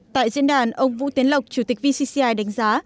tại diễn đàn ông vũ tiến lộc chủ tịch vcci đánh giá